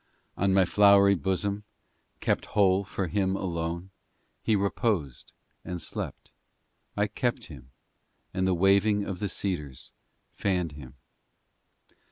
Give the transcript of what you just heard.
VI On my flowery bosom, Kept whole for Him alone, He reposed and slept; I cherished Him, and the waving Of the cedars fanned Him.